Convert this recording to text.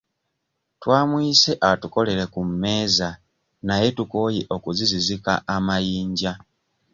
Twamuyise atukolere ku mmeeza naye tukooye okuzizizika amayinja.